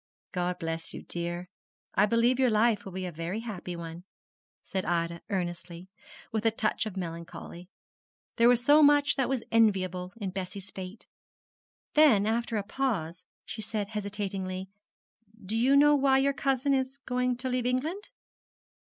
_' 'God bless you, dear. I believe your life will be a very happy one,' said Ida, earnestly, and with a touch of melancholy. There was so much that was enviable in Bessie's fate. Then, after a pause, she said hesitatingly, 'Do you know why your cousin is going to leave England?'